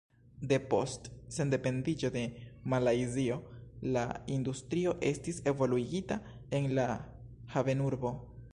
Depost sendependiĝo de Malajzio la industrio estis evoluigita en la havenurbo.